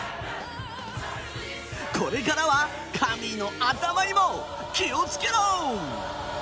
これからは「神の頭」にも気をつけろ。